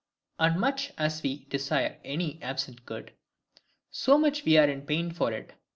As much as we desire any absent good, so much are we in pain for it.